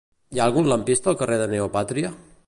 Hi ha algun lampista al carrer de Neopàtria?